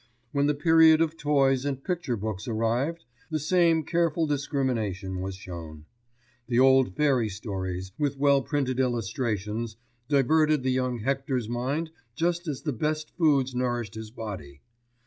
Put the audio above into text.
When the period of toys and picture books arrived, the same careful discrimination was shown. The old fairy stories, with well printed illustrations, diverted the young Hector's mind just as the best foods nourished his body.